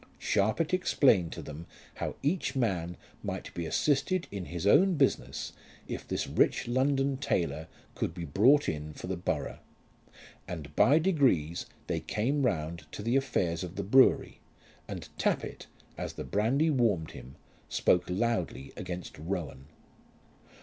Sharpit explained to them how each man might be assisted in his own business if this rich London tailor could be brought in for the borough. And by degrees they came round to the affairs of the brewery, and Tappitt, as the brandy warmed him, spoke loudly against Rowan.